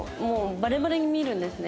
「バレバレに見るんですね」